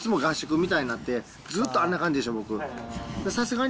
もういつも合宿みたいになって、ずっとあんな感じでしょ、僕。